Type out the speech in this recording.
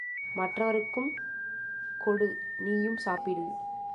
மற்றவருக்கும் கொடு நீயும் சாப்பிடு.